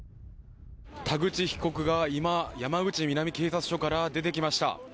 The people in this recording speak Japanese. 田口被告が今山口南警察署から出てきました。